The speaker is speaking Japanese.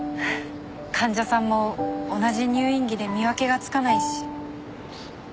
患者さんも同じ入院着で見分けがつかないし。